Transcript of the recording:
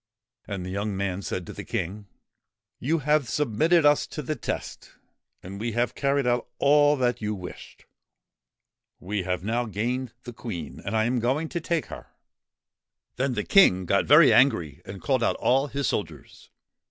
And the young man said to the King : 28 THE QUEEN OF THE MISSISSIPPI ' You have submitted us to the test, and we have carried out all that you wished : we have now gained the Queen, and I am going to take her.' Then the King got very angry and called out all his soldiers.